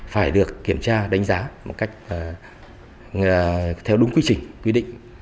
phải được kiểm tra đánh giá theo đúng quy trình quy định